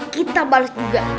kita balik juga